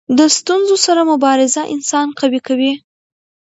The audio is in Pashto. د ستونزو سره مبارزه انسان قوي کوي.